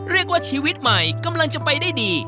เรียกว่าชีวิตใหม่กำลังจะไปได้ดี